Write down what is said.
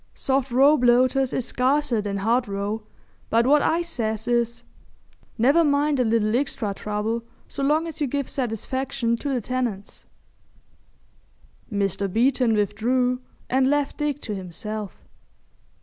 Soft roe bloaters is scarcer than hard roe, but what I says is, "Never mind a little extra trouble so long as you give satisfaction to the tenants."' Mr. Beeton withdrew and left Dick to himself.